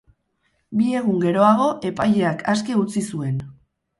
Bi egun geroago, epaileak aske utzi zuen.